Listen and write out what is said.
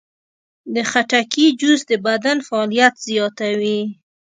د خټکي جوس د بدن فعالیت زیاتوي.